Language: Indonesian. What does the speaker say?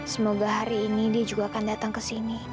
semoga hari ini dia juga akan datang ke sini